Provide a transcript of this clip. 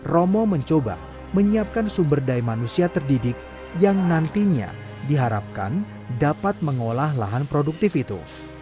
romo mencoba menyiapkan sumber daya manusia terdidik yang nantinya diharapkan dapat mengolah lahan produktif itu